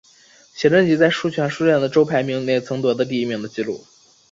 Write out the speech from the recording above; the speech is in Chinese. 写真集在书泉书店的周排名内曾夺得第一名的纪录。